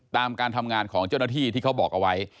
การทำงานของเจ้าหน้าที่ที่เขาบอกเอาไว้